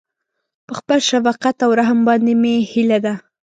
په خپل شفقت او رحم باندې مې هيله ده.